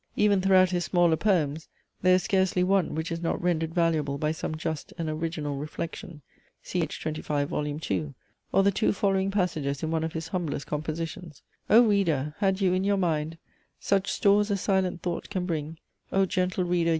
Even throughout his smaller poems there is scarcely one, which is not rendered valuable by some just and original reflection. See page 25, vol. II.: or the two following passages in one of his humblest compositions. "O Reader! had you in your mind Such stores as silent thought can bring, O gentle Reader!